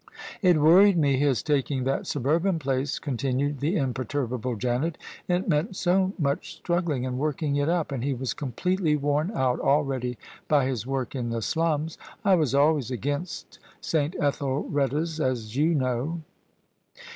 " It worried me his taking that suburban place," con tinued the imperturbable Janet; " it meant so much strug gling and working it up, and he was completely worn out already by his work in the slums. I was alwas^s against S. Etheldreda's, as you know."